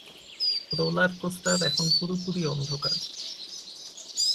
Roller coaster এখন পুরোপুরি অন্ধকার।